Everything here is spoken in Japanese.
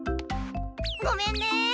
ごめんね。